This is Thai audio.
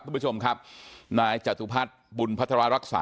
ทุกผู้ชมครับนายจตุภัทรบุญพัทรารักษา